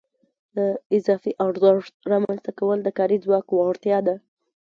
د اضافي ارزښت رامنځته کول د کاري ځواک وړتیا ده